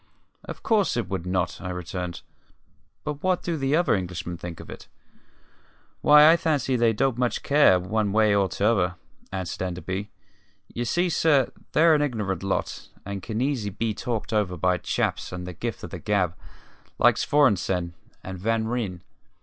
"Of course it would not," I returned. "But what do the other Englishmen think of it?" "Why, I fancy they don't much care, one way or t'other," answered Enderby. "Ye see, sir, they're an ignorant lot, and can easy be talked over by chaps with the gift of the gab, like Svorenssen and Van Ryn.